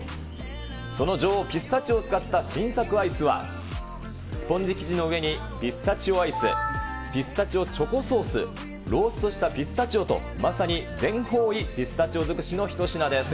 その女王、ピスタチオを使った新作アイスは、スポンジ生地の上にピスタチオアイス、ピスタチオチョコソース、ローストしたピスタチオと、まさに全方位ピスタチオ尽くしの一品です。